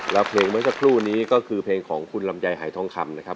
แล้วเพลงเมื่อสักครู่นี้ก็คือเพลงของคุณลำไยหายทองคำนะครับ